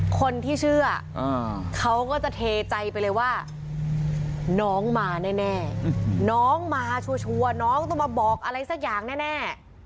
คนที่เชื่อเขาก็จะเทใจไปเลยว่าน้องมาแน่น้องมาชัวร์น้องต้องมาบอกอะไรสักอย่างแน่